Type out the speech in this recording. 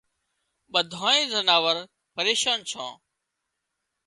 ٻڌانئي زناور پريشان ڇان